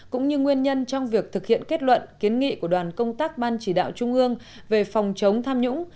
cũng như nguyên nhân trong việc thực hiện kết luận kiến nghị của đoàn công tác ban chỉ đạo trung ương về phòng chống tham nhũng